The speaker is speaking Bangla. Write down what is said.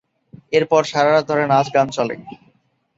এরপর সারারাত ধরে নাচ গান চলে।